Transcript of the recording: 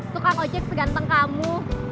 tukang ojek seganteng kamu